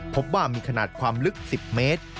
พบว่ามีขนาดความลึก๑๐เมตร